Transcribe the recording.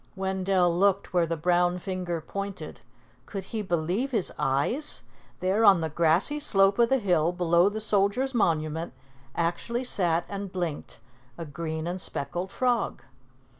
Wendell looked where the brown finger pointed. Could he believe his eyes? There on the grassy slope of the hill below the Soldiers' Monument actually sat and blinked a green and speckled frog.